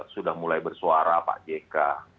sudah mulai bersuara pak jk